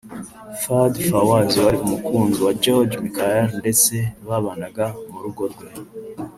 Fadi Fawaz wari umukunzi wa George Michael ndetse babanaga mu rugo rwe